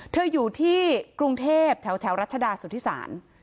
อยู่ที่กรุงเทพแถวรัชดาสุธิศาล